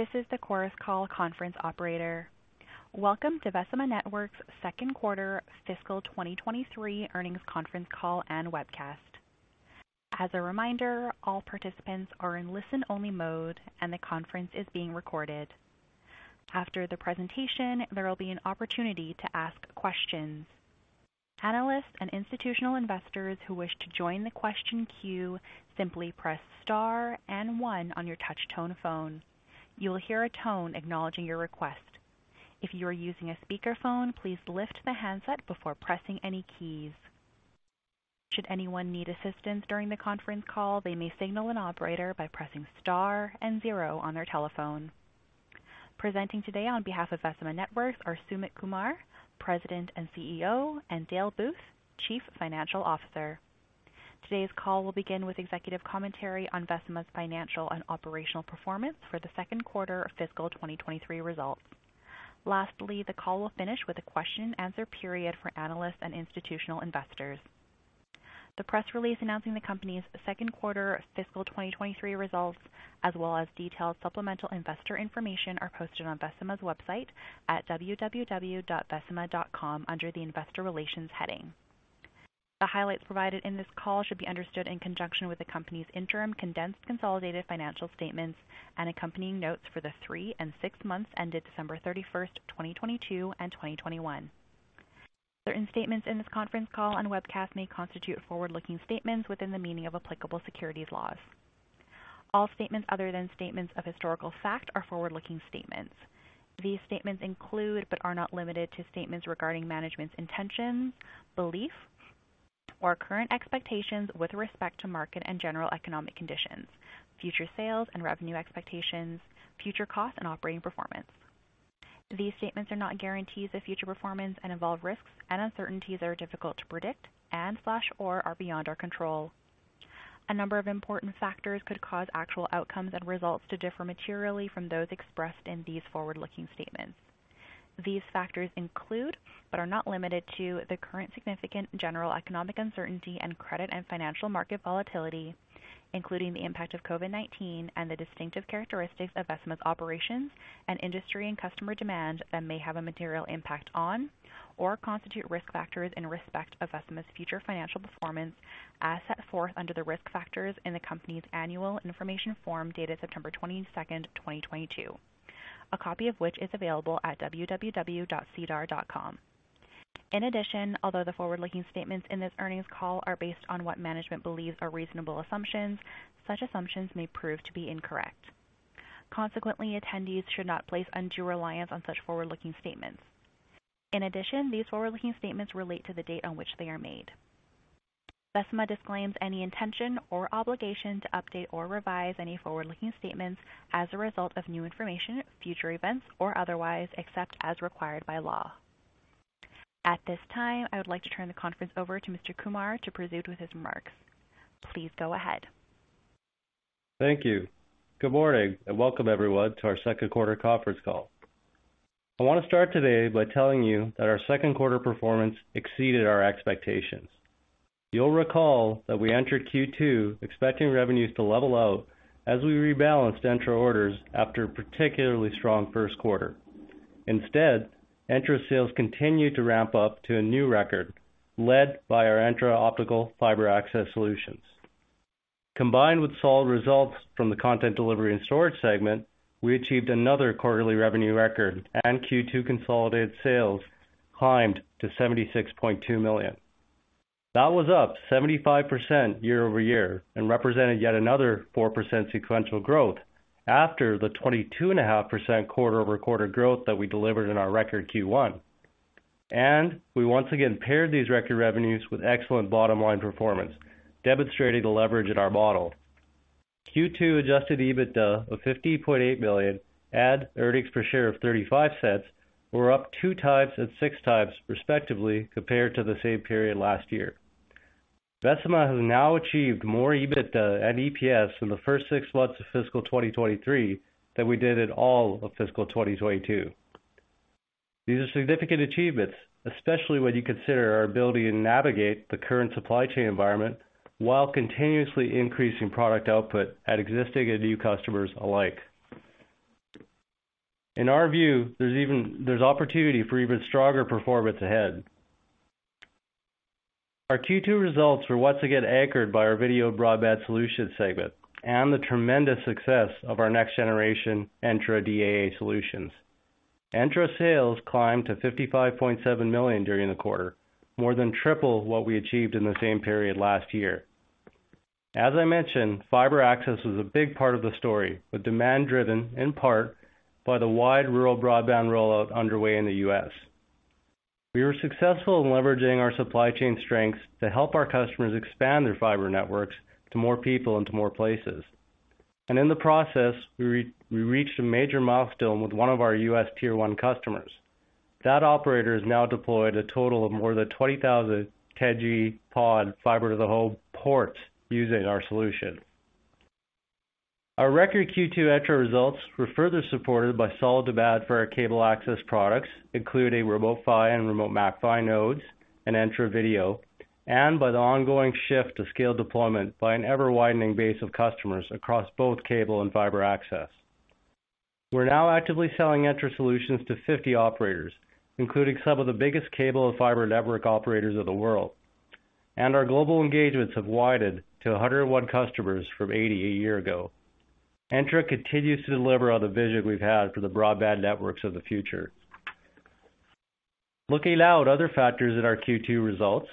This is the Chorus Call conference operator. Welcome to Vecima Networks second quarter fiscal 2023 earnings conference call and webcast. As a reminder, all participants are in listen-only mode, and the conference is being recorded. After the presentation, there will be an opportunity to ask questions. Analysts and institutional investors who wish to join the question queue simply press star one on your touchtone phone. You will hear a tone acknowledging your request. If you are using a speakerphone, please lift the handset before pressing any keys. Should anyone need assistance during the conference call, they may signal an operator by pressing star zero on their telephone. Presenting today on behalf of Vecima Networks are Sumit Kumar, President and CEO, and Dale Booth, Chief Financial Officer. Today's call will begin with executive commentary on Vecima's financial and operational performance for the second quarter of fiscal 2023 results. Lastly, the call will finish with a question and answer period for analysts and institutional investors. The press release announcing the company's second quarter fiscal 2023 results, as well as detailed supplemental investor information, are posted on Vecima's website at www.vecima.com under the Investor Relations heading. The highlights provided in this call should be understood in conjunction with the company's interim, condensed consolidated financial statements and accompanying notes for the three and six months ended December 31, 2022 and 2021. Certain statements in this conference call and webcast may constitute forward-looking statements within the meaning of applicable securities laws. All statements other than statements of historical fact are forward-looking statements. These statements include, but are not limited to, statements regarding management's intentions, beliefs, or current expectations with respect to market and general economic conditions, future sales and revenue expectations, future costs and operating performance. These statements are not guarantees of future performance and involve risks and uncertainties that are difficult to predict and/or are beyond our control. A number of important factors could cause actual outcomes and results to differ materially from those expressed in these forward-looking statements. These factors include, but are not limited to, the current significant general economic uncertainty and credit and financial market volatility, including the impact of COVID-19 and the distinctive characteristics of Vecima's operations and industry and customer demand that may have a material impact on or constitute risk factors in respect of Vecima's future financial performance as set forth under the Risk Factors in the company's Annual Information Form dated September 22nd, 2022. A copy of which is available at www.sedar.com. In addition, although the forward-looking statements in this earnings call are based on what management believes are reasonable assumptions, such assumptions may prove to be incorrect. Consequently, attendees should not place undue reliance on such forward-looking statements. In addition, these forward-looking statements relate to the date on which they are made. Vecima disclaims any intention or obligation to update or revise any forward-looking statements as a result of new information, future events, or otherwise, except as required by law. At this time, I would like to turn the conference over to Mr. Kumar to proceed with his remarks. Please go ahead. Thank you. Good morning, welcome everyone to our second quarter conference call. I want to start today by telling you that our second quarter performance exceeded our expectations. You'll recall that we entered Q2 expecting revenues to level out as we rebalanced Entra orders after a particularly strong first quarter. Instead, Entra sales continued to ramp up to a new record, led by our Entra optical fiber access solutions. Combined with solid results from the content delivery and storage segment, we achieved another quarterly revenue record. Q2 consolidated sales climbed to 76.2 million. That was up 75% year-over-year and represented yet another 4% sequential growth after the 22.5% quarter-over-quarter growth that we delivered in our record Q1. We once again paired these record revenues with excellent bottom line performance, demonstrating the leverage in our model. Q2 adjusted EBITDA of 15.8 million add earnings per share of 0.35 were up two times and six times, respectively, compared to the same period last year. Vecima has now achieved more EBITDA and EPS in the first 6 months of fiscal 2023 than we did at all of fiscal 2022. These are significant achievements, especially when you consider our ability to navigate the current supply chain environment while continuously increasing product output at existing and new customers alike. In our view, there's opportunity for even stronger performance ahead. Our Q2 results were once again anchored by our video broadband solutions segment and the tremendous success of our next generation Entra DAA solutions. Entra sales climbed to 55.7 million during the quarter, more than triple what we achieved in the same period last year. As I mentioned, fiber access was a big part of the story, with demand driven in part by the wide rural broadband rollout underway in the U.S. We were successful in leveraging our supply chain strengths to help our customers expand their fiber networks to more people and to more places. In the process, we reached a major milestone with 1 of our U.S. tier 1 customers. That operator has now deployed a total of more than 20,000 10G PON fiber to the home ports using our solution. Our record Q2 Entra results were further supported by solid demand for our cable access products, including Remote PHY and Remote MAC-PHY nodes and Entra video. By the ongoing shift to scale deployment by an ever-widening base of customers across both cable and fiber access. We're now actively selling Entra solutions to 50 operators, including some of the biggest cable and fiber network operators of the world. Our global engagements have widened to 101 customers from 80 a year ago. Entra continues to deliver on the vision we've had for the broadband networks of the future. Looking now at other factors in our Q2 results.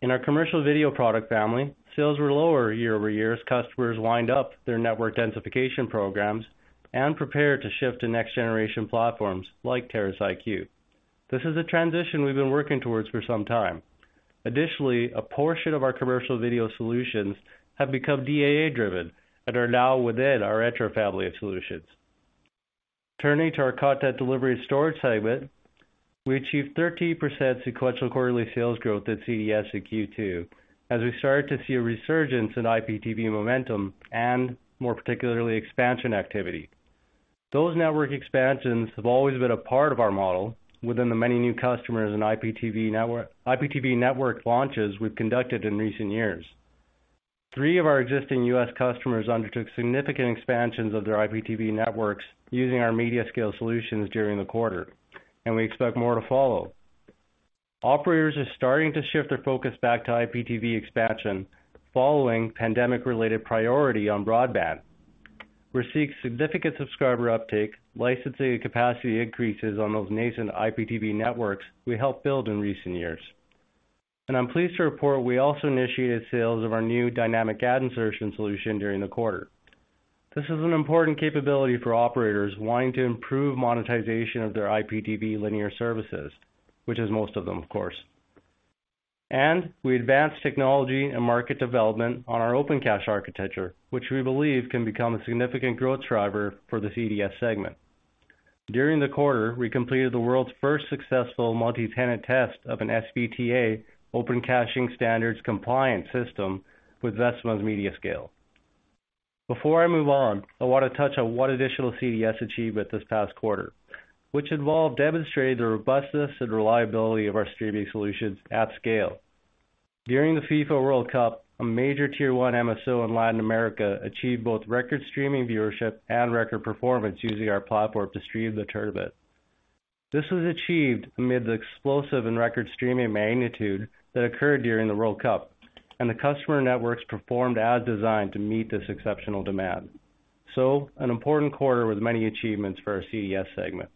In our commercial video product family, sales were lower year-over-year as customers wind up their network densification programs and prepare to shift to next generation platforms like Terrace IQ. This is a transition we've been working towards for some time. Additionally, a portion of our commercial video solutions have become DAA driven and are now within our Entra family of solutions. Turning to our content delivery and storage segment, we achieved 13% sequential quarterly sales growth at CDS in Q2, as we started to see a resurgence in IPTV momentum and more particularly, expansion activity. Those network expansions have always been a part of our model within the many new customers and IPTV network launches we've conducted in recent years. Three of our existing U.S. customers undertook significant expansions of their IPTV networks using our MediaScale solutions during the quarter, and we expect more to follow. Operators are starting to shift their focus back to IPTV expansion following pandemic-related priority on broadband. We're seeing significant subscriber uptake, licensing capacity increases on those nascent IPTV networks we helped build in recent years. I'm pleased to report we also initiated sales of our new dynamic ad insertion solution during the quarter. This is an important capability for operators wanting to improve monetization of their IPTV linear services, which is most of them, of course. We advanced technology and market development on our Open Cache Architecture, which we believe can become a significant growth driver for the CDS segment. During the quarter, we completed the world's first successful multi-tenant test of an SVTA Open Caching standards compliance system with Vecima's MediaScale. Before I move on, I want to touch on what additional CDS achievement this past quarter, which involved demonstrating the robustness and reliability of our streaming solutions at scale. During the FIFA World Cup, a major tier one MSO in Latin America achieved both record streaming viewership and record performance using our platform to stream the tournament. This was achieved amid the explosive and record streaming magnitude that occurred during the World Cup, and the customer networks performed as designed to meet this exceptional demand. An important quarter with many achievements for our CDS segment.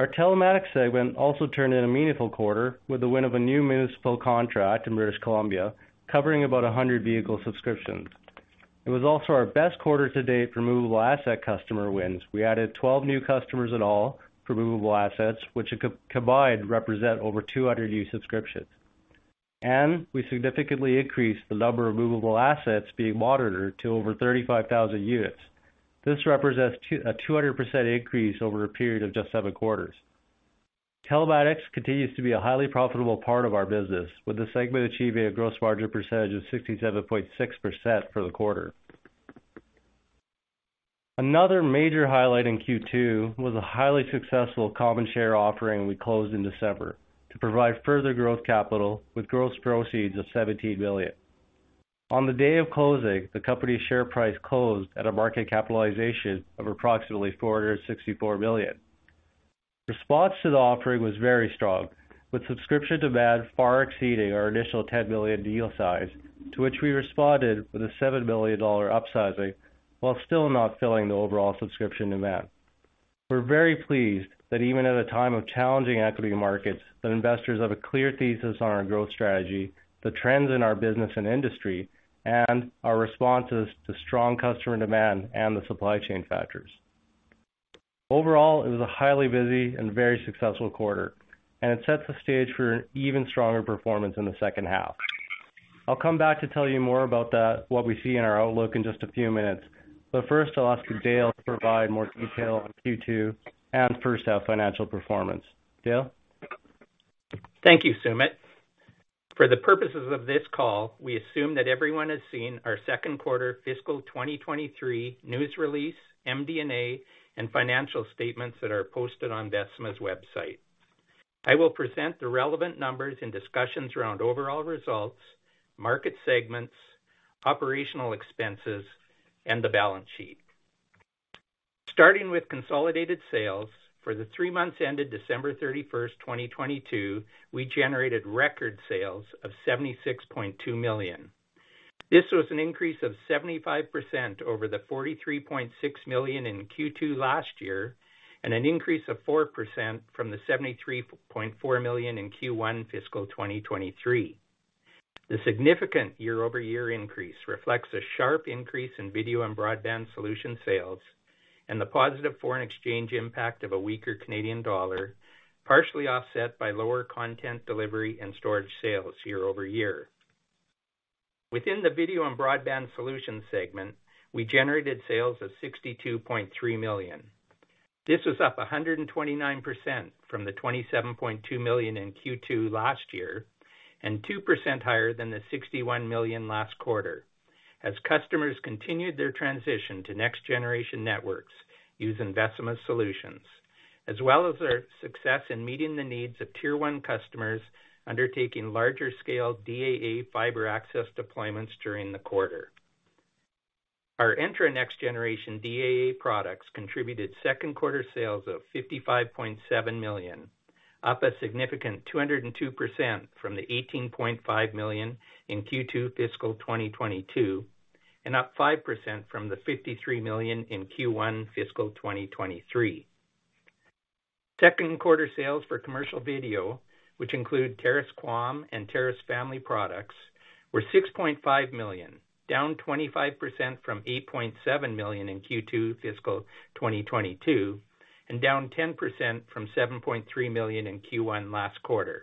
Our telematics segment also turned in a meaningful quarter with the win of a new municipal contract in British Columbia, covering about 100 vehicle subscriptions. It was also our best quarter to date for movable asset customer wins. We added 12 new customers in all for movable assets, which combined represent over 200 new subscriptions. We significantly increased the number of movable assets being monitored to over 35,000 units. This represents a 200% increase over a period of just seven quarters. Telematics continues to be a highly profitable part of our business, with the segment achieving a gross margin percentage of 67.6% for the quarter. Another major highlight in Q2 was a highly successful common share offering we closed in December to provide further growth capital with gross proceeds of 17 million. On the day of closing, the company's share price closed at a market capitalization of approximately 464 million. Response to the offering was very strong, with subscription demand far exceeding our initial 10 million deal size, to which we responded with a $7 billion dollar upsizing while still not filling the overall subscription demand. We're very pleased that even at a time of challenging equity markets, that investors have a clear thesis on our growth strategy, the trends in our business and industry, and our responses to strong customer demand and the supply chain factors. Overall, it was a highly busy and very successful quarter, and it sets the stage for an even stronger performance in the second half. I'll come back to tell you more about that, what we see in our outlook in just a few minutes, but first I'll ask Dale to provide more detail on Q2 and first half financial performance. Dale? Thank you, Sumit. For the purposes of this call, we assume that everyone has seen our second quarter fiscal 2023 news release, MD&A, and financial statements that are posted on Vecima's website. I will present the relevant numbers and discussions around overall results, market segments, operational expenses, and the balance sheet. Starting with consolidated sales, for the three months ended December 31st, 2022, we generated record sales of 76.2 million. This was an increase of 75% over the 43.6 million in Q2 last year, and an increase of 4% from the 73.4 million in Q1 fiscal 2023. The significant year-over-year increase reflects a sharp increase in video and broadband solution sales and the positive foreign exchange impact of a weaker Canadian dollar, partially offset by lower content delivery and storage sales year-over-year. Within the video and broadband solutions segment, we generated sales of 62.3 million. This was up 129% from the 27.2 million in Q2 last year and 2% higher than the 61 million last quarter, as customers continued their transition to next generation networks using Vecima solutions. As well as our success in meeting the needs of tier one customers undertaking larger scale DAA fiber access deployments during the quarter. Our Entra next generation DAA products contributed second quarter sales of 55.7 million, up a significant 202% from the 18.5 million in Q2 fiscal 2022, and up 5% from the 53 million in Q1 fiscal 2023. Second quarter sales for commercial video, which include Terrace QAM and Terrace family products, were 6.5 million, down 25% from 8.7 million in Q2 fiscal 2022, and down 10% from 7.3 million in Q1 last quarter.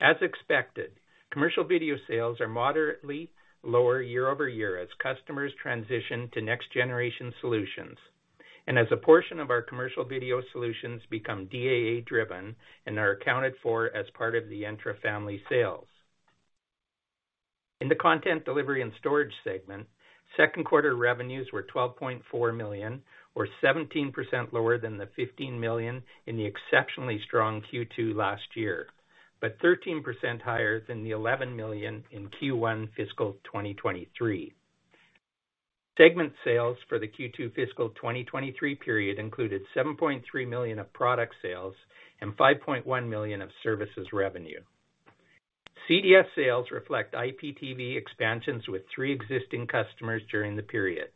As expected, commercial video sales are moderately lower year-over-year as customers transition to next generation solutions, and as a portion of our commercial video solutions become DAA driven and are accounted for as part of the Entra-family sales. In the content delivery and storage segment, second quarter revenues were 12.4 million, or 17% lower than the 15 million in the exceptionally strong Q2 last year, but 13% higher than the 11 million in Q1 fiscal 2023. Segment sales for the Q2 fiscal 2023 period included 7.3 million of product sales and 5.1 million of services revenue. CDS sales reflect IPTV expansions with three existing customers during the period.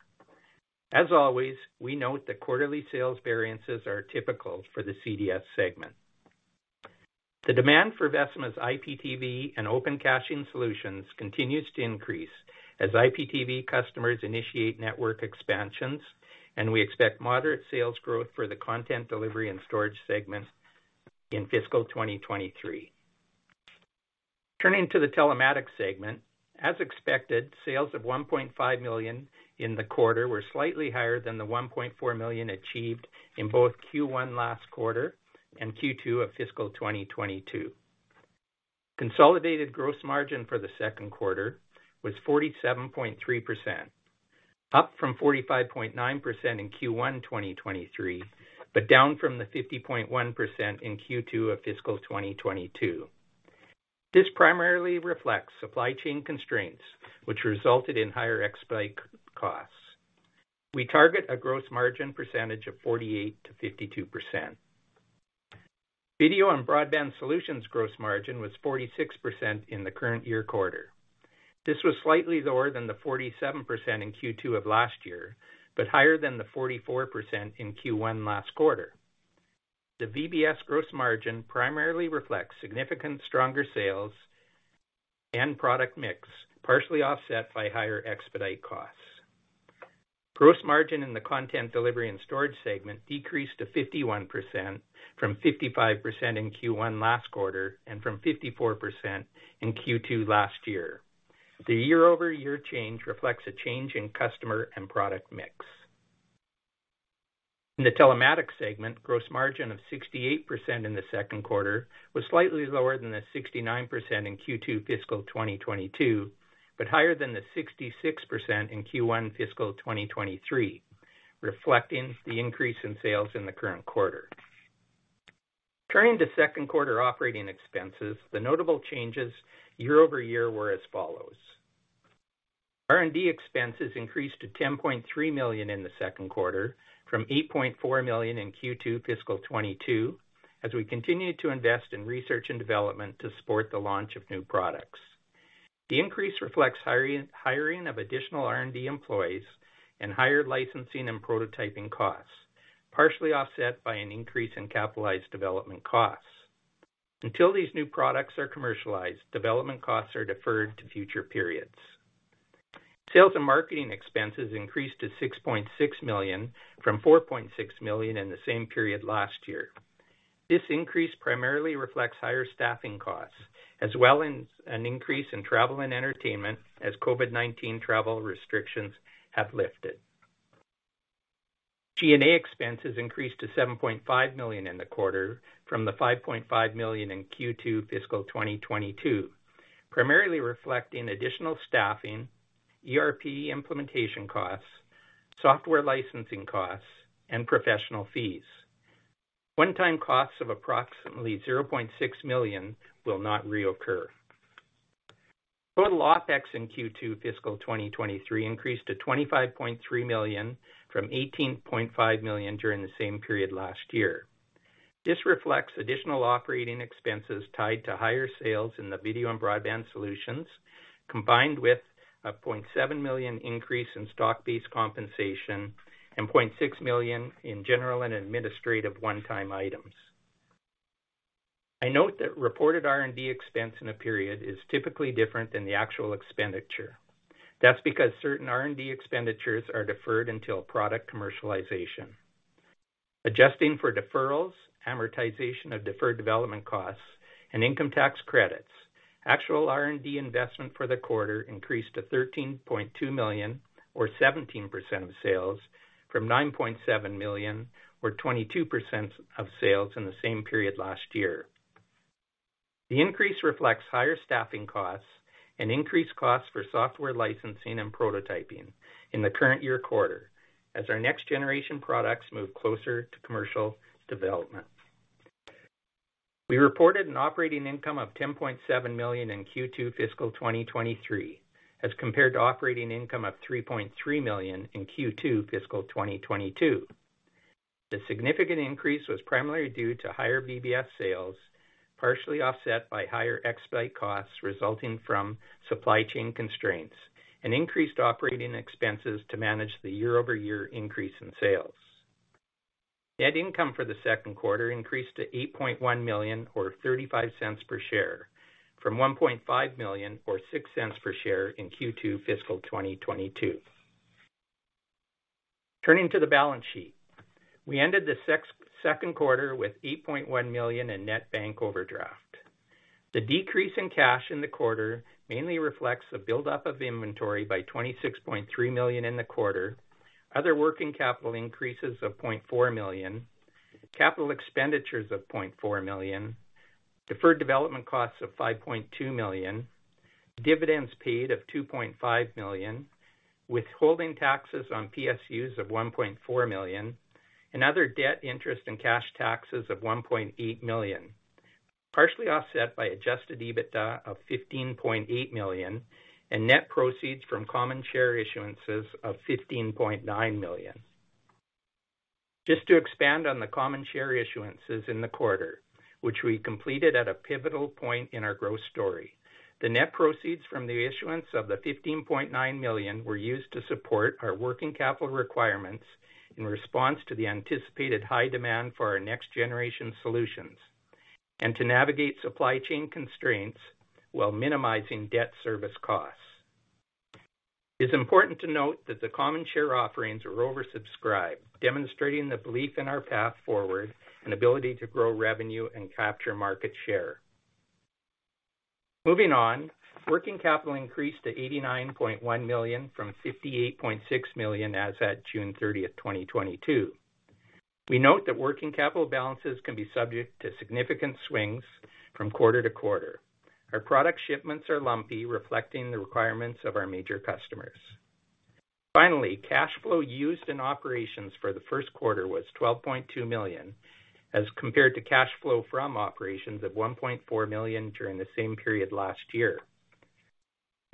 As always, we note that quarterly sales variances are typical for the CDS segment. The demand for Vecima's IPTV and Open Caching solutions continues to increase as IPTV customers initiate network expansions. We expect moderate sales growth for the content delivery and storage segments in fiscal 2023. Turning to the telematics segment, as expected, sales of 1.5 million in the quarter were slightly higher than the 1.4 million achieved in both Q1 last quarter and Q2 of fiscal 2022. Consolidated gross margin for the second quarter was 47.3%, up from 45.9% in Q1 2023, down from the 50.1% in Q2 of fiscal 2022. This primarily reflects supply chain constraints which resulted in higher expedite costs. We target a gross margin percentage of 48%-52%. Video and broadband solutions gross margin was 46% in the current year quarter. This was slightly lower than the 47% in Q2 of last year, but higher than the 44% in Q1 last quarter. The VBS gross margin primarily reflects significant stronger sales and product mix, partially offset by higher expedite costs. Gross margin in the content delivery and storage segment decreased to 51% from 55% in Q1 last quarter and from 54% in Q2 last year. The year-over-year change reflects a change in customer and product mix. In the telematics segment, gross margin of 68% in the second quarter was slightly lower than the 69% in Q2 fiscal 2022, but higher than the 66% in Q1 fiscal 2023, reflecting the increase in sales in the current quarter. Turning to second quarter operating expenses, the notable changes year-over-year were as follows: R&D expenses increased to 10.3 million in the second quarter from 8.4 million in Q2 fiscal 2022 as we continued to invest in research and development to support the launch of new products. The increase reflects hiring of additional R&D employees and higher licensing and prototyping costs, partially offset by an increase in capitalized development costs. Until these new products are commercialized, development costs are deferred to future periods. Sales and marketing expenses increased to 6.6 million from 4.6 million in the same period last year. This increase primarily reflects higher staffing costs as well as an increase in travel and entertainment as COVID-19 travel restrictions have lifted. G&A expenses increased to 7.5 million in the quarter from the 5.5 million in Q2 fiscal 2022, primarily reflecting additional staffing, ERP implementation costs, software licensing costs, and professional fees. One-time costs of approximately 0.6 million will not reoccur. Total OPEX in Q2 fiscal 2023 increased to 25.3 million from 18.5 million during the same period last year. This reflects additional operating expenses tied to higher sales in the video and broadband solutions, combined with a 0.7 million increase in stock-based compensation and 0.6 million in general and administrative one-time items. I note that reported R&D expense in a period is typically different than the actual expenditure. That's because certain R&D expenditures are deferred until product commercialization. Adjusting for deferrals, amortization of deferred development costs, and income tax credits, actual R&D investment for the quarter increased to 13.2 million or 17% of sales from 9.7 million or 22% of sales in the same period last year. The increase reflects higher staffing costs and increased costs for software licensing and prototyping in the current year quarter as our next generation products move closer to commercial development. We reported an operating income of10.7 million in Q2 fiscal 2023, as compared to operating income of 3.3 million in Q2 fiscal 2022. The significant increase was primarily due to higher VBS sales, partially offset by higher expedite costs resulting from supply chain constraints and increased operating expenses to manage the year-over-year increase in sales. Net income for the second quarter increased to 8.1 million, or 0.35 per share, from 1.5 million, or 0.06 per share in Q2 fiscal 2022. Turning to the balance sheet. We ended the second quarter with 8.1 million in net bank overdraft. The decrease in cash in the quarter mainly reflects the buildup of inventory by 26.3 million in the quarter. Other working capital increases of 0.4 million. Capital expenditures of 0.4 million. Deferred development costs of 5.2 million. Dividends paid of 2.5 million. Withholding taxes on PSUs of 1.4 million. Other debt interest and cash taxes of 1.8 million, partially offset by adjusted EBITDA of 15.8 million and net proceeds from common share issuances of 15.9 million. Just to expand on the common share issuances in the quarter, which we completed at a pivotal point in our growth story. The net proceeds from the issuance of the 15.9 million were used to support our working capital requirements in response to the anticipated high demand for our next-generation solutions and to navigate supply chain constraints while minimizing debt service costs. It's important to note that the common share offerings are oversubscribed, demonstrating the belief in our path forward and ability to grow revenue and capture market share. Moving on. Working capital increased to 89.1 million from 58.6 million as at June 30, 2022. We note that working capital balances can be subject to significant swings from quarter to quarter. Our product shipments are lumpy, reflecting the requirements of our major customers. Finally, cash flow used in operations for the first quarter was 12.2 million, as compared to cash flow from operations of 1.4 million during the same period last year.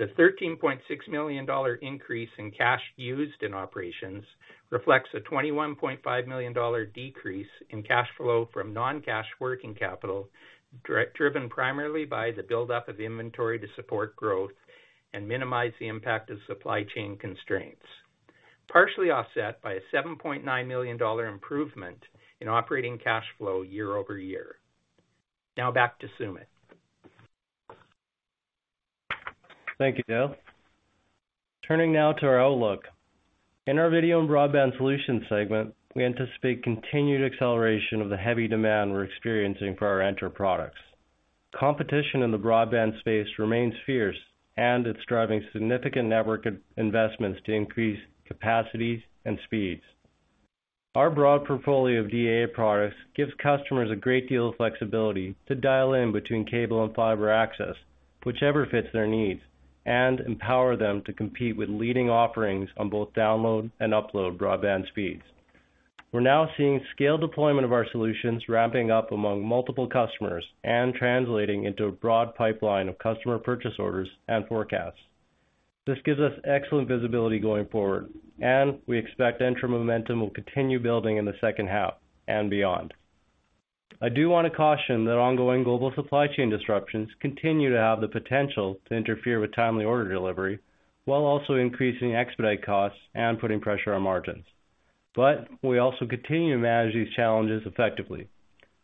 The 13.6 million increase in cash used in operations reflects a 21.5 million decrease in cash flow from non-cash working capital, driven primarily by the buildup of inventory to support growth and minimize the impact of supply chain constraints, partially offset by a 7.9 million improvement in operating cash flow year-over-year. Now back to Sumit. Thank you, Dale. Turning now to our outlook. In our video and broadband solutions segment, we anticipate continued acceleration of the heavy demand we're experiencing for our Entra products. Competition in the broadband space remains fierce it's driving significant network investments to increase capacities and speeds. Our broad portfolio of DAA products gives customers a great deal of flexibility to dial in between cable and fiber access, whichever fits their needs, empower them to compete with leading offerings on both download and upload broadband speeds. We're now seeing scaled deployment of our solutions ramping up among multiple customers and translating into a broad pipeline of customer purchase orders and forecasts. This gives us excellent visibility going forward, we expect Entra momentum will continue building in the second half and beyond. I do want to caution that ongoing global supply chain disruptions continue to have the potential to interfere with timely order delivery, while also increasing expedite costs and putting pressure on margins. We also continue to manage these challenges effectively.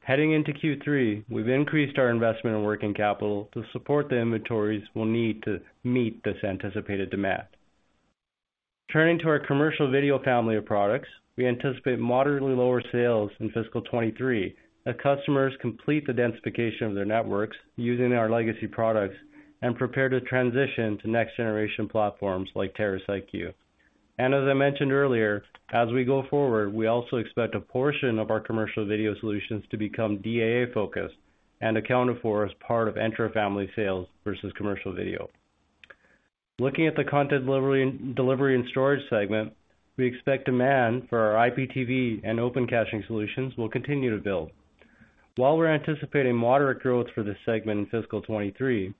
Heading into Q3, we've increased our investment in working capital to support the inventories we'll need to meet this anticipated demand. Turning to our commercial video family of products, we anticipate moderately lower sales in fiscal 2023 as customers complete the densification of their networks using our legacy products and prepare to transition to next generation platforms like Terrace IQ. As I mentioned earlier, as we go forward, we also expect a portion of our commercial video solutions to become DAA-focused and accounted for as part of intra-family sales versus commercial video. Looking at the content delivery and storage segment, we expect demand for our IPTV and Open Caching solutions will continue to build. While we're anticipating moderate growth for this segment in fiscal 2023,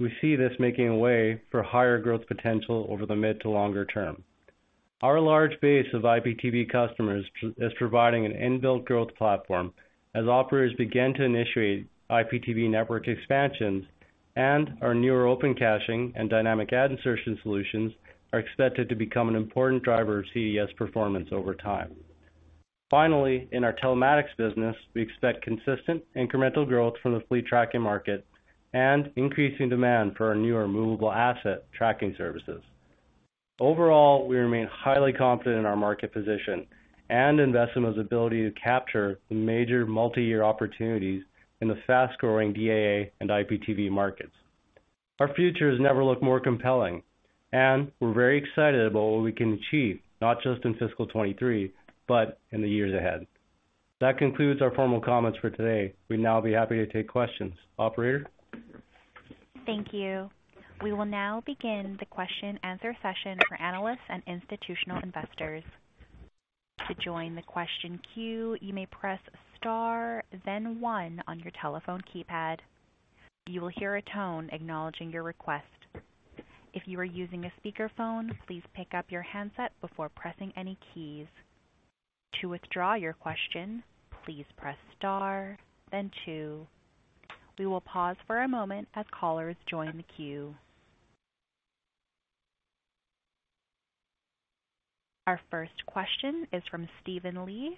we see this making a way for higher growth potential over the mid to longer term. Our large base of IPTV customers is providing an inbuilt growth platform as operators begin to initiate IPTV network expansions. Our newer Open Caching and dynamic ad insertion solutions are expected to become an important driver of CDS performance over time. In our telematics business, we expect consistent incremental growth from the fleet tracking market and increasing demand for our newer movable asset tracking services. Overall, we remain highly confident in our market position and in Vecima's ability to capture the major multi-year opportunities in the fast-growing DAA and IPTV markets. Our future has never looked more compelling, and we're very excited about what we can achieve, not just in fiscal 23, but in the years ahead. That concludes our formal comments for today. We'd now be happy to take questions. Operator? Thank you. We will now begin the question-answer session for analysts and institutional investors. To join the question queue, you may press Star, then one on your telephone keypad. You will hear a tone acknowledging your request. If you are using a speakerphone, please pick up your handset before pressing any keys. To withdraw your question, please press Star then two. We will pause for a moment as callers join the queue. Our first question is from Steven Li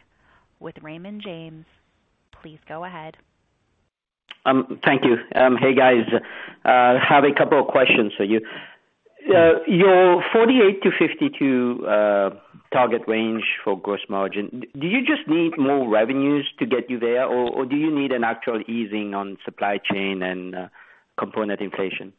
with Raymond James. Please go ahead. Thank you. Hey, guys. I have a couple of questions for you. Your 48%-52% target range for gross margin, do you just need more revenues to get you there, or do you need an actual easing on supply chain and component inflation?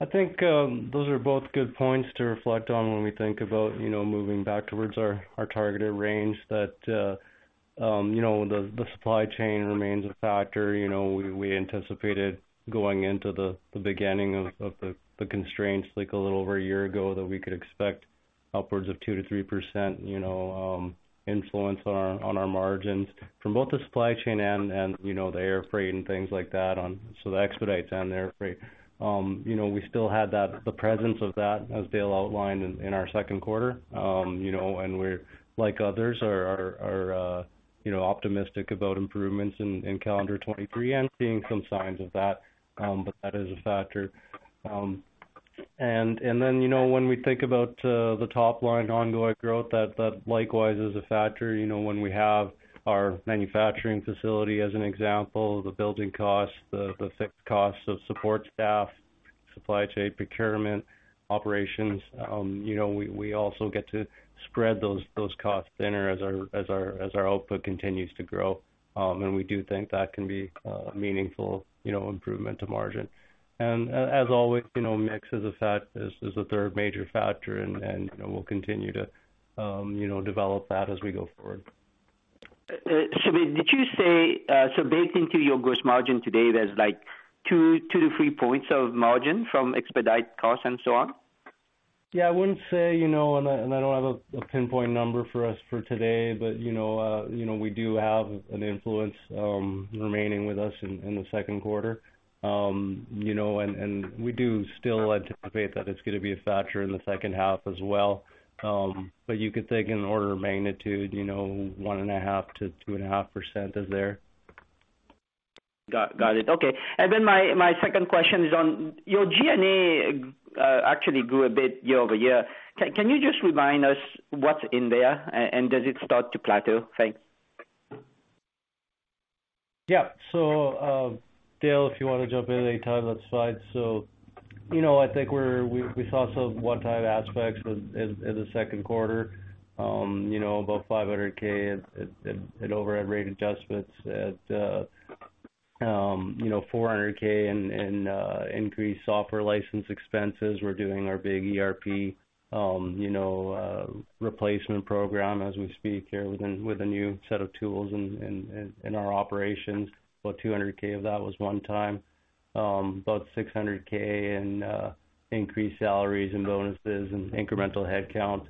I think, those are both good points to reflect on when we think about, you know, moving back towards our targeted range that, you know, the supply chain remains a factor. You know, we anticipated going into the beginning of the constraints like a little over a year ago, that we could expect upwards of 2% to 3%, you know, influence on our margins from both the supply chain and, you know, the air freight and things like that on, so the expedites and the air freight. You know, we still had that, the presence of that as Dale outlined in our second quarter. You know, we're like others you know, optimistic about improvements in calendar 23 and seeing some signs of that. That is a factor. You know, when we think about the top line ongoing growth that likewise is a factor. You know, when we have our manufacturing facility as an example, the building costs, the fixed costs of support staff, supply chain procurement, operations, you know, we also get to spread those costs thinner as our output continues to grow. We do think that can be a meaningful, you know, improvement to margin. As always, you know, mix is a fact, is a third major factor and, you know, we'll continue to, you know, develop that as we go forward. Sumit, did you say, so baked into your gross margin today, there's like two to three points of margin from expedite costs and so on? Yeah, I wouldn't say, you know, and I don't have a pinpoint number for us for today, but, you know, we do have an influence remaining with us in the second quarter. We do still anticipate that it's gonna be a factor in the second half as well. You could think in order of magnitude, you know, 1.5%-2.5% is there. Got it. Okay. My, my second question is on your G&A, actually grew a bit year-over-year. Can you just remind us what's in there and does it start to plateau? Thanks. Yeah. Dale, if you want to jump in anytime, that's fine. You know, I think we saw some one-time aspects with in the second quarter, you know, about 500K at overhead rate adjustments, you know, 400K in increased software license expenses. We're doing our big ERP, you know, replacement program as we speak here within, with a new set of tools in our operations. About 200K of that was one time. About 600K in increased salaries and bonuses and incremental headcount.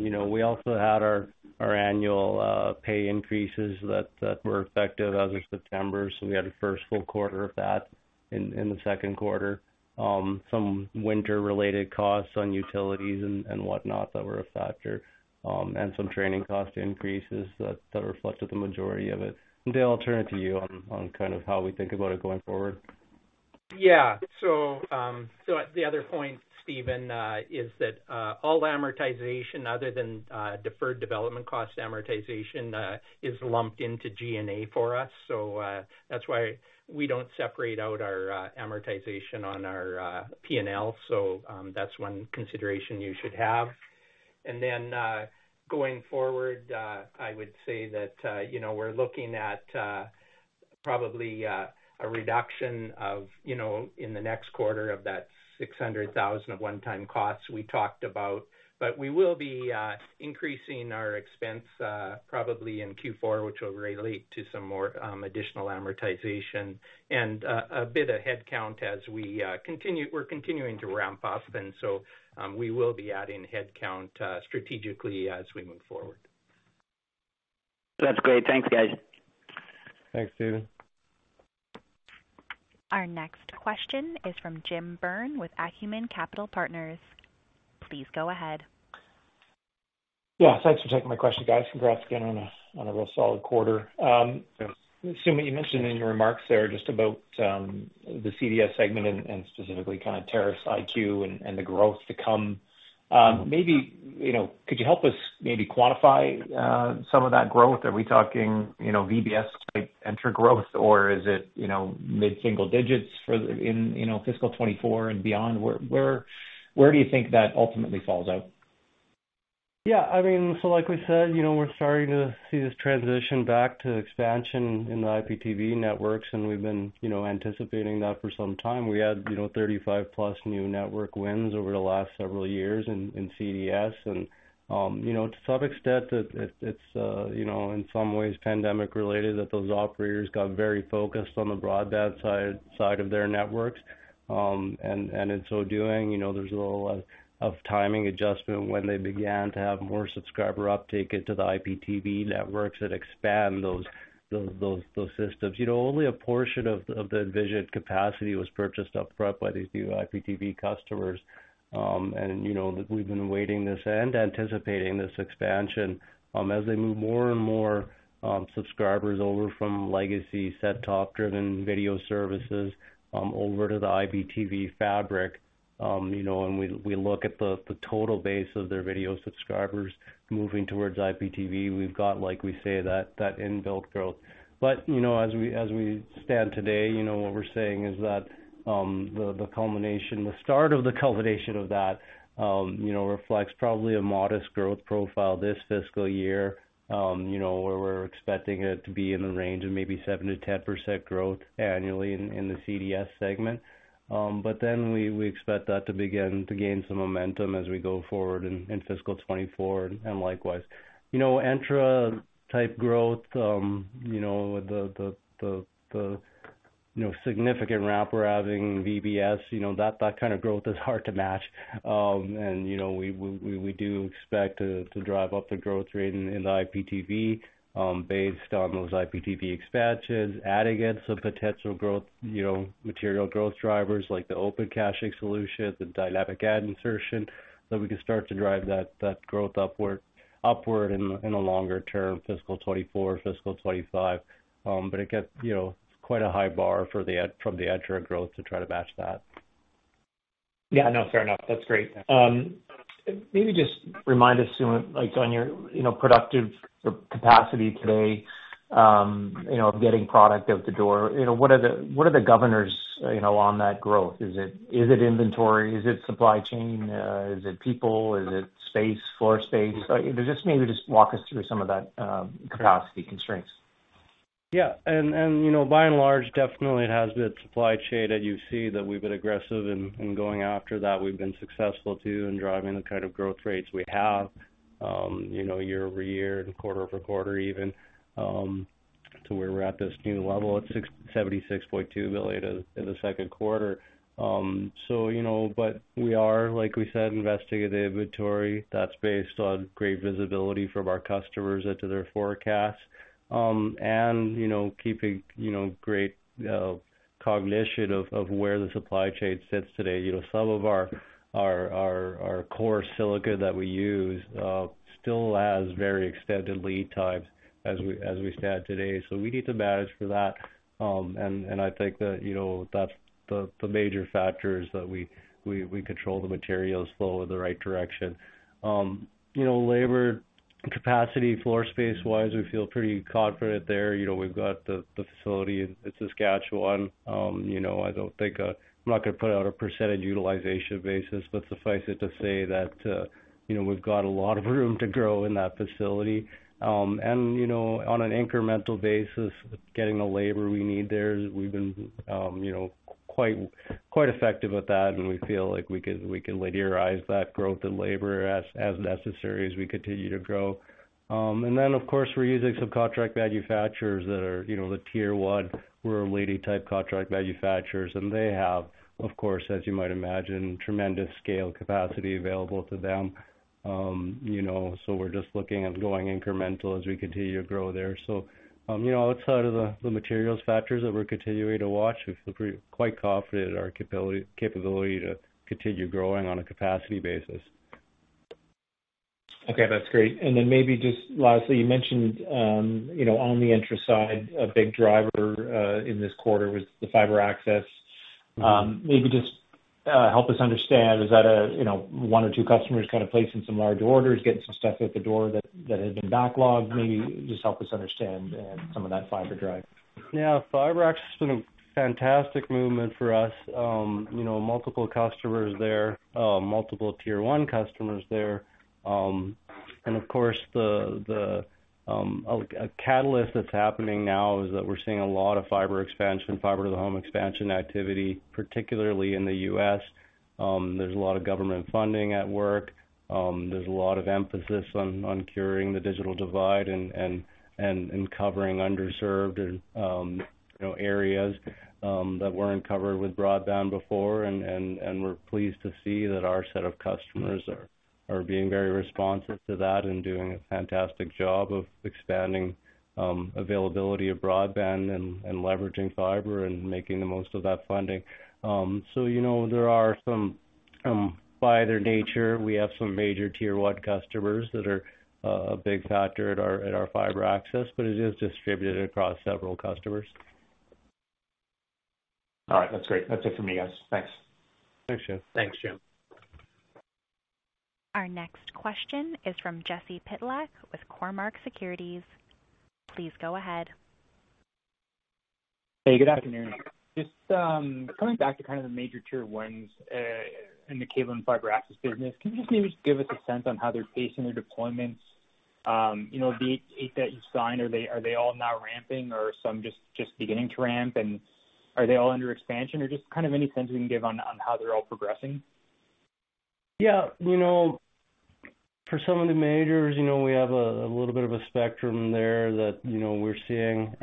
You know, we also had our annual pay increases that were effective as of September, so we had the first full quarter of that in the second quarter. Some winter-related costs on utilities and whatnot that were a factor, and some training cost increases that reflected the majority of it. Dale, I'll turn it to you on kind of how we think about it going forward. At the other point, Steven, is that all amortization other than deferred development cost amortization is lumped into G&A for us. That's why we don't separate out our amortization on our P&L. That's one consideration you should have. Going forward, I would say that, you know, we're looking at probably a reduction of, you know, in the next quarter of that 600,000 of one-time costs we talked about. We will be increasing our expense probably in Q4, which will relate to some more additional amortization and a bit of headcount as we're continuing to ramp up, we will be adding headcount strategically as we move forward. That's great. Thanks, guys. Thanks, Steven. Our next question is from Jim Byrne with Acumen Capital Partners. Please go ahead. Yeah, thanks for taking my question, guys. Congrats again on a real solid quarter. Yeah. Sumit, you mentioned in your remarks there just about the CDS segment and specifically kind of Terrace IQ and the growth to come. Maybe, you know, could you help us maybe quantify some of that growth? Are we talking, you know, VBS type Entra growth, or is it, you know, mid-single digits for the, you know, fiscal 2024 and beyond? Where do you think that ultimately falls out? Yeah, I mean, like we said, you know, we're starting to see this transition back to expansion in the IPTV networks, and we've been, you know, anticipating that for some time. We had, you know, 35-plus new network wins over the last several years in CDS. To some extent, it's, you know, in some ways pandemic-related that those operators got very focused on the broadband side of their networks. In so doing, you know, there's a little of timing adjustment when they began to have more subscriber uptake into the IPTV networks that expand those systems. You know, only a portion of the envisioned capacity was purchased upfront by these new IPTV customers. You know, we've been awaiting this and anticipating this expansion, as they move more and more subscribers over from legacy set-top driven video services, over to the IPTV fabric. You know, we look at the total base of their video subscribers moving towards IPTV. We've got, like we say, that inbuilt growth. You know, as we stand today, you know, what we're saying is that the culmination, the start of the culmination of that, you know, reflects probably a modest growth profile this fiscal year, you know, where we're expecting it to be in the range of maybe 7%-10% growth annually in the CDS segment. We expect that to begin to gain some momentum as we go forward in fiscal 2024 and likewise. You know, Entra type growth, you know, the significant ramp we're having VBS, you know, that kind of growth is hard to match. You know, we do expect to drive up the growth rate in the IPTV, based on those IPTV expansions, adding in some potential growth, you know, material growth drivers like the Open Caching solution, the dynamic ad insertion, that we can start to drive that growth upward in the longer term, fiscal 2024, fiscal 2025. It gets, you know, quite a high bar from the Entra growth to try to match that. Yeah. No, fair enough. That's great. Maybe just remind us, like on your, you know, productive capacity today, you know, of getting product out the door, you know, what are the governors, you know, on that growth? Is it inventory? Is it supply chain? Is it people? Is it space, floor space? Just maybe just walk us through some of that capacity constraints. Yeah. You know, by and large, definitely it has been supply chain that you see that we've been aggressive in going after that. We've been successful, too, in driving the kind of growth rates we have, you know, year-over-year and quarter-over-quarter even, to where we're at this new level at 76.2 billion in the second quarter. You know, we are, like we said, investing in the inventory that's based on great visibility from our customers into their forecast, and, you know, keeping, you know, great cognition of where the supply chain sits today. You know, some of our core silicon that we use still has very extended lead times as we stand today. We need to manage for that. I think that, you know, that's the major factors that we control the materials flow in the right direction. You know, labor capacity, floor space-wise, we feel pretty confident there. You know, we've got the facility in Saskatchewan. You know, I don't think I'm not going to put out a percentage utilization basis, but suffice it to say that, you know, we've got a lot of room to grow in that facility. You know, on an incremental basis, getting the labor we need there, we've been, you know, quite effective with that, and we feel like we could linearize that growth in labor as necessary as we continue to grow. Of course, we're using some contract manufacturers that are, you know, the tier one world-leading type contract manufacturers, and they have, of course, as you might imagine, tremendous scale capacity available to them. You know, we're just looking at going incremental as we continue to grow there. You know, outside of the materials factors that we're continuing to watch, we feel quite confident in our capability to continue growing on a capacity basis. Okay, that's great. Maybe just lastly, you mentioned, you know, on the Entra side, a big driver in this quarter was the fiber access. Maybe just help us understand, is that a, you know, one or two customers kind of placing some large orders, getting some stuff out the door that had been backlogged? Maybe just help us understand, some of that fiber drive? Yeah. Fiber access has been a fantastic movement for us. You know, multiple customers there, multiple tier one customers there. Of course, the a catalyst that's happening now is that we're seeing a lot of fiber expansion, fiber to the home expansion activity, particularly in the U.S. There's a lot of government funding at work. There's a lot of emphasis on curing the digital divide and covering underserved, you know, areas, that weren't covered with broadband before. We're pleased to see that our set of customers are being very responsive to that and doing a fantastic job of expanding, availability of broadband and leveraging fiber and making the most of that funding. You know, there are some, by their nature, we have some major tier one customers that are a big factor at our, at our fiber access, but it is distributed across several customers. All right. That's great. That's it for me, guys. Thanks. Thanks, Jim. Thanks, Jim. Our next question is from Jesse Pytlak with Cormark Securities. Please go ahead. Hey, good afternoon. Just, coming back to kind of the major Tier 1s, in the cable and fiber access business, can you just maybe just give us a sense on how they're pacing their deployments? You know, the 8 that you signed, are they all now ramping or some just beginning to ramp? Are they all under expansion? Or just kind of any sense you can give on how they're all progressing? Yeah. You know, for some of the majors, you know, we have a little bit of a spectrum there that, you know, we're seeing.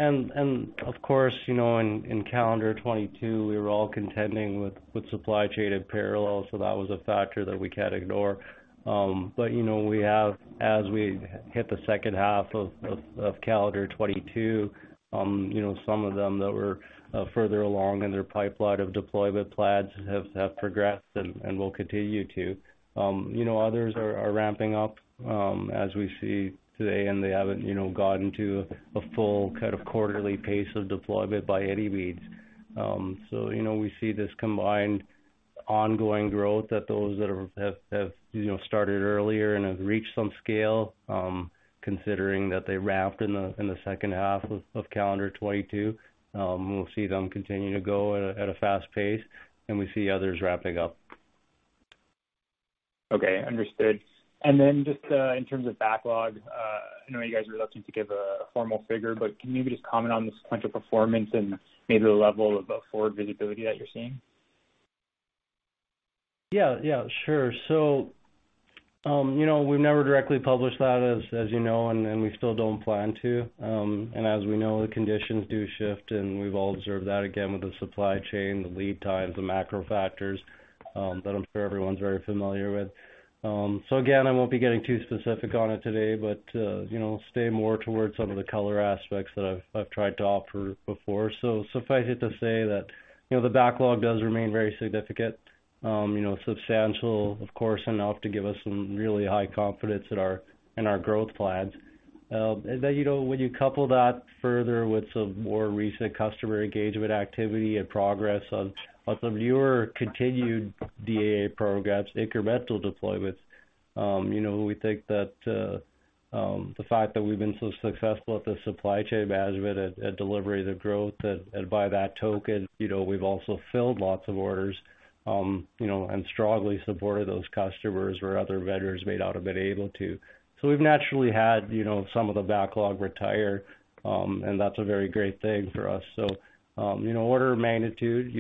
Of course, you know, in calendar 2022, we were all contending with supply chain parallels, so that was a factor that we can't ignore. You know, as we hit the second half of calendar 2022, you know, some of them that were further along in their pipeline of deployment plans have progressed and will continue to. You know, others are ramping up as we see today, and they haven't, you know, gotten to a full kind of quarterly pace of deployment by any means. You know, we see this combined ongoing growth that those that are, have, you know, started earlier and have reached some scale, considering that they ramped in the second half of calendar 2022. We'll see them continue to go at a fast pace, and we see others ramping up. Okay. Understood. Then just in terms of backlog, I know you guys are reluctant to give a formal figure, but can you maybe just comment on the sequential performance and maybe the level of forward visibility that you're seeing? Yeah, yeah. Sure. You know, we've never directly published that as you know, and we still don't plan to. As we know, the conditions do shift, and we've all observed that again with the supply chain, the lead times, the macro factors, that I'm sure everyone's very familiar with. Again, I won't be getting too specific on it today, but, you know, stay more towards some of the color aspects that I've tried to offer before. Suffice it to say that, you know, the backlog does remain very significant, you know, substantial, of course, enough to give us some really high confidence in our, in our growth plans. Then, you know, when you couple that further with some more recent customer engagement activity and progress on some newer continued DAA programs, incremental deployments, you know, we think that the fact that we've been so successful at the supply chain management and delivery of the growth, and by that token, you know, we've also filled lots of orders, you know, and strongly supported those customers where other vendors may not have been able to. We've naturally had, you know, some of the backlog retire, and that's a very great thing for us. You know, order of magnitude,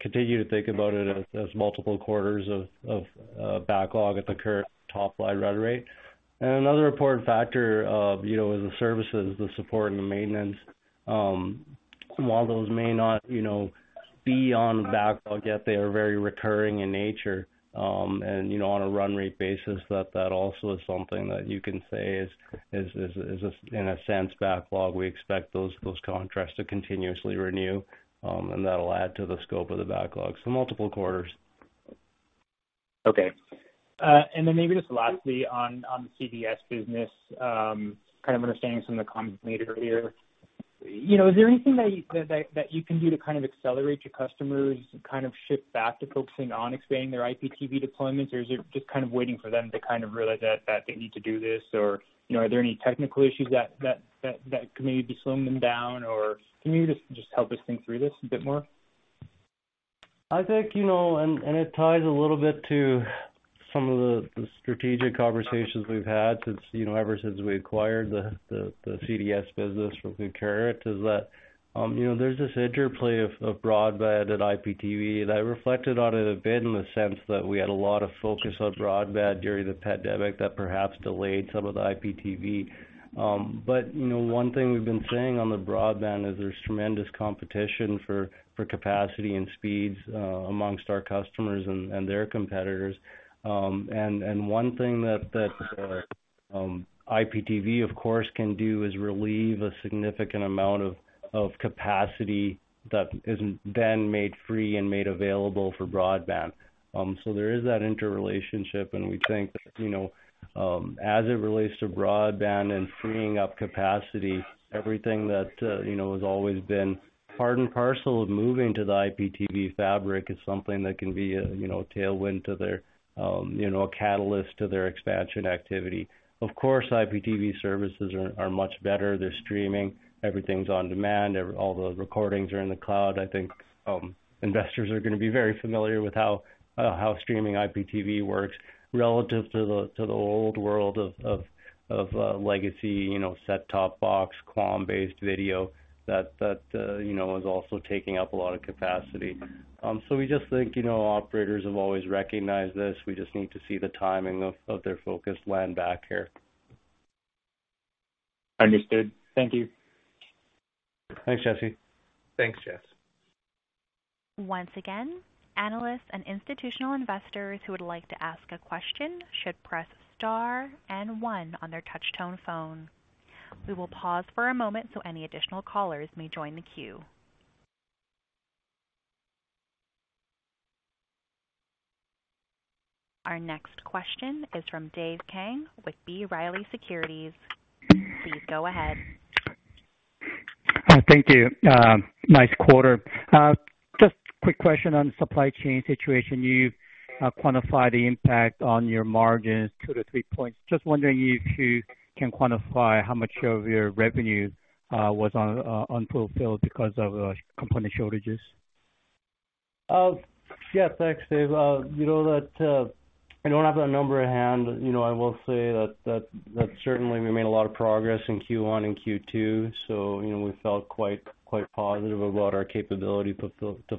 continue to think about it as multiple quarters of backlog at the current top line run rate. Another important factor of, you know, is the services, the support and the maintenance. While those may not, you know, be on backlog yet, they are very recurring in nature. You know, on a run rate basis, that also is in a sense backlog. We expect those contracts to continuously renew, and that'll add to the scope of the backlog. Multiple quarters. Okay. Then maybe just lastly on the CDS business, kind of understanding some of the comments made earlier. You know, is there anything that you can do to kind of accelerate your customers to kind of shift back to focusing on expanding their IPTV deployments? Is it just kind of waiting for them to kind of realize that they need to do this? You know, are there any technical issues that may be slowing them down? Can you just help us think through this a bit more? I think, you know, and it ties a little bit to some of the strategic conversations we've had since, you know, ever since we acquired the CDS business from Concurrent, is that, you know, there's this interplay of broadband and IPTV. I reflected on it a bit in the sense that we had a lot of focus on broadband during the pandemic that perhaps delayed some of the IPTV. You know, one thing we've been saying on the broadband is there's tremendous competition for capacity and speeds amongst our customers and their competitors. And one thing that IPTV, of course, can do is relieve a significant amount of capacity that is then made free and made available for broadband. There is that interrelationship, and we think that, you know, as it relates to broadband and freeing up capacity, everything that, you know, has always been part and parcel of moving to the IPTV fabric is something that can be a, you know, tailwind to their, you know, a catalyst to their expansion activity. Of course, IPTV services are much better. They're streaming. Everything's on demand. All the recordings are in the cloud. I think, investors are gonna be very familiar with how streaming IPTV works relative to the old world of legacy, you know, set-top box, QAM-based video that, you know, is also taking up a lot of capacity. We just think, you know, operators have always recognized this. We just need to see the timing of their focus land back here. Understood. Thank you. Thanks, Jesse. Thanks, Jesse. Once again, analysts and institutional investors who would like to ask a question should press star and one on their touch-tone phone. We will pause for a moment so any additional callers may join the queue. Our next question is from Dave Kang with B. Riley Financial. Please go ahead. Thank you. nice quarter. Just quick question on supply chain situation. You've quantified the impact on your margins 2-3 points. Just wondering if you can quantify how much of your revenue was unfulfilled because of component shortages? Yeah, thanks, Dave. you know that, I don't have that number at hand. You know, I will say that certainly we made a lot of progress in Q1 and Q2, so you know, we felt quite positive about our capability to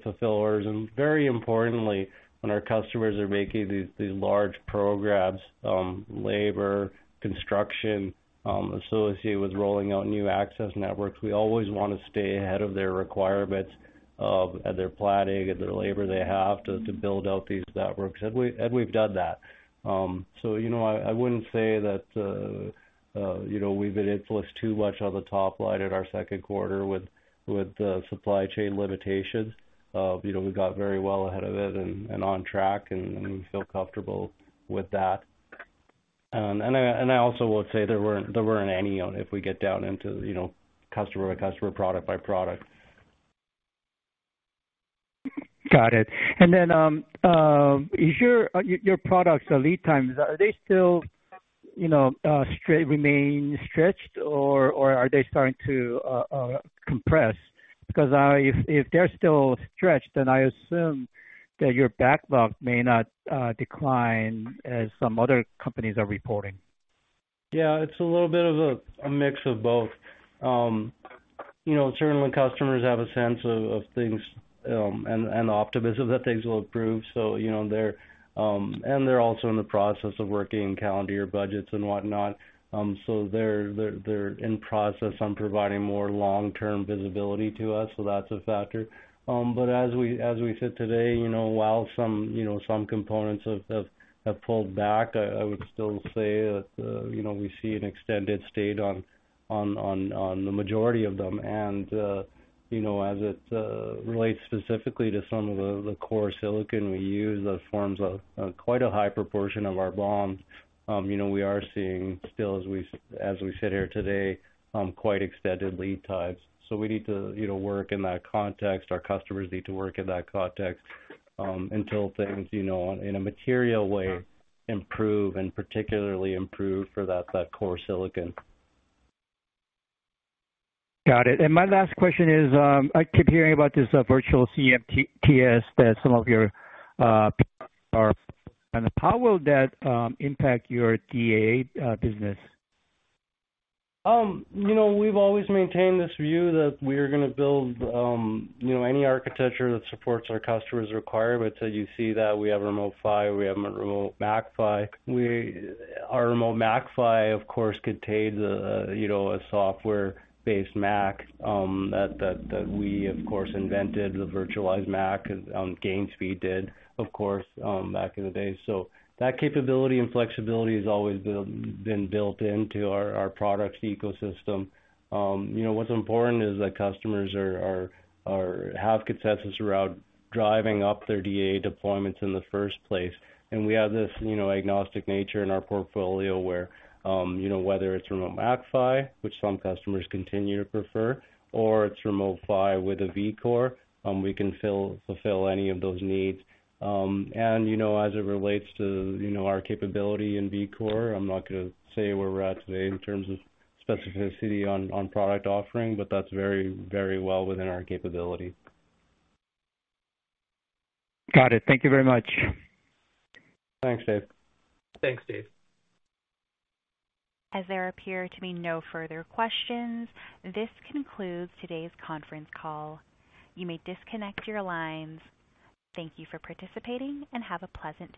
fulfill orders. Very importantly, when our customers are making these large programs, labor, construction, associated with rolling out new access networks, we always want to stay ahead of their requirements of their planning and their labor they have to build out these networks. We, and we've done that. You know, I wouldn't say that, you know, we've been influenced too much on the top line in our second quarter with the supply chain limitations of, you know, we got very well ahead of it and on track, and we feel comfortable with that. I also would say there weren't any of them if we get down into, you know, customer by customer, product by product. oducts' lead times still remain stretched, or are they starting to compress? Because if they're still stretched, then I assume that your backlog may not decline as some other companies are reporting Yeah, it's a little bit of a mix of both. You know, certainly customers have a sense of things and optimism that things will improve. You know, they're and they're also in the process of working calendar year budgets and whatnot. They're in process on providing more long-term visibility to us, so that's a factor. As we sit today, you know, while some, you know, some components have pulled back, I would still say that, you know, we see an extended state on the majority of them. You know, as it relates specifically to some of the core silicon we use that forms a, quite a high proportion of our BOM, you know, we are seeing still as we, as we sit here today, quite extended lead times. We need to, you know, work in that context. Our customers need to work in that context, until things, you know, in a material way, improve and particularly improve for that core silicon. Got it. My last question is, I keep hearing about this virtual CMTS that some of your are. How will that impact your DAA business? You know, we've always maintained this view that we are going to build, you know, any architecture that supports our customers' requirements. You see that we have Remote PHY, we have Remote MAC-PHY. Our Remote MAC-PHY of course contains a, you know, a software-based MAC, that we of course invented, the virtualized MAC, and Gainspeed did, of course, back in the day. That capability and flexibility has always been built into our products ecosystem. You know, what's important is that customers have consensus around driving up their DAA deployments in the first place. We have this, you know, agnostic nature in our portfolio where, you know, whether it's Remote MAC-PHY, which some customers continue to prefer, or it's Remote PHY with a vCore, we can fulfill any of those needs. You know, as it relates to, you know, our capability in vCore, I'm not going to say where we're at today in terms of specificity on product offering, but that's very, very well within our capability. Got it. Thank you very much. Thanks, Dave. Thanks, Dave. As there appear to be no further questions, this concludes today's conference call. You may disconnect your lines. Thank you for participating, and have a pleasant day.